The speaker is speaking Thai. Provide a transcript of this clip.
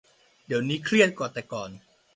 เดี๋ยวนี้เครียดกว่าแต่ก่อน